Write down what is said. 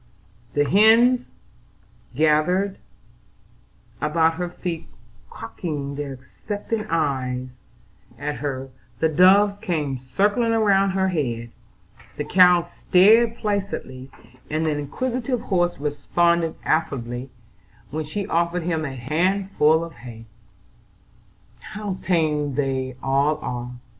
The hens gathered about her feet cocking their expectant eyes at her; the doves came circling round her head; the cow stared placidly, and the inquisitive horse responded affably when she offered him a handful of hay. "How tame they all are!